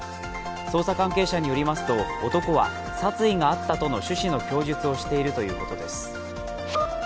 捜査関係者によりますと男は殺意があったとの趣旨の供述をしているということです。